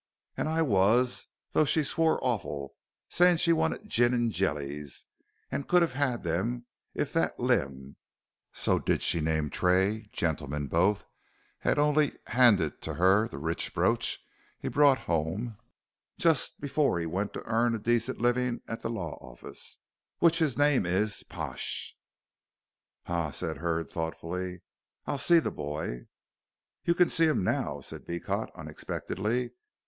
And I wos, though she swore awful, saying she wanted gin an' jellies, an' could 'ave 'ad them, if that limb so did she name Tray, gentlemen both 'ad only 'anded to 'er the rich brooch he brought 'ome, just afore he went to earn a decent livin' at the lawr orfice, which 'is name is Pash " "Ha," said Hurd, thoughtfully, "I'll see the boy." "You can see him now," said Beecot, unexpectedly.